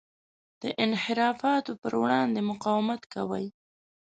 د انحرافاتو پر وړاندې مقاومت کوي.